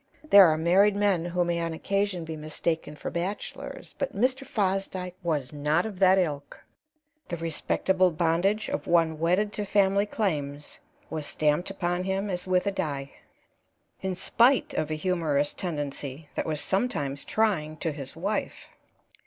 There are married men who may on occasion be mistaken for bachelors, but Mr. Fosdyke was not of that ilk; the respectable bondage of one wedded to family claims was stamped upon him as with a die, in spite of a humorous tendency that was sometimes trying to his wife.